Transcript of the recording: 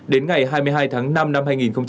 đến ngày hai mươi hai tháng năm năm hai nghìn hai mươi